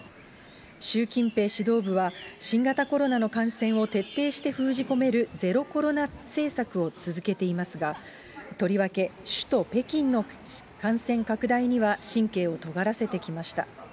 習近平指導部は、新型コロナの感染を徹底して封じ込めるゼロコロナ政策を続けていますが、とりわけ首都北京の感染拡大には神経をとがらせてきました。